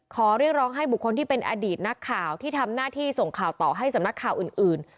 ขอเรียกร้องให้บุคคลที่เป็นอดีตนักข่าวที่ทำหน้าที่ส่งข่าวต่อให้สำนักข่าวอื่น